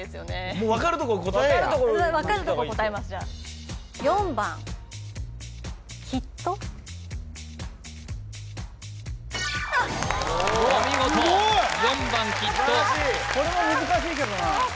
もう分かるとこ答えや分かるとこ答えますじゃあお見事４番きっと・これも難しいけどな